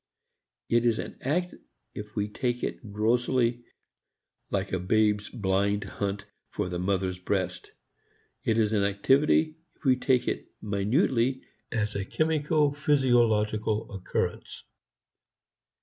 It is an act if we take it grossly, like a babe's blind hunt for the mother's breast; it is an activity if we take it minutely as a chemico physiological occurrence.